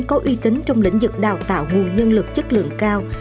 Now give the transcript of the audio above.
có uy tín trong lĩnh vực đào tạo nguồn nhân lực chất lượng cao